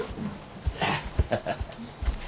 ハハハハッ。